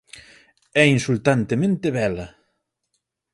É insultantemente bela.